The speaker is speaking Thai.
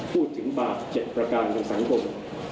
พูดถึงบาปเจ็ดประการของสังคม